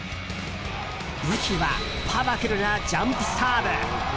武器はパワフルなジャンプサーブ。